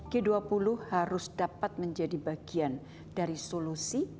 g dua puluh harus dapat menjadi bagian dari solusi